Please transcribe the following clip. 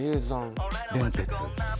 電鉄。